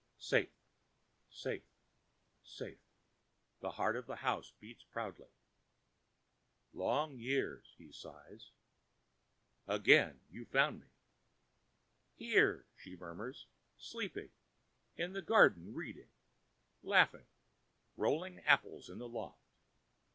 "Safe, safe, safe," the heart of the house beats proudly. "Long years—" he sighs. "Again you found me." "Here," she murmurs, "sleeping; in the garden reading; laughing, rolling apples in the loft.